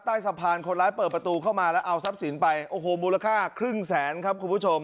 ใต้สะพานคนร้ายเปิดประตูเข้ามาแล้วเอาทรัพย์สินไปโอ้โหมูลค่าครึ่งแสนครับคุณผู้ชม